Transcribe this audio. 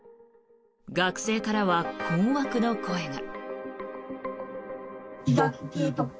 学生からは困惑の声が。